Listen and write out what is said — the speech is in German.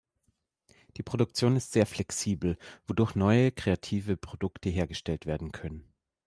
Die Produktion ist sehr flexibel, wodurch neue und kreative Produkte hergestellt werden können.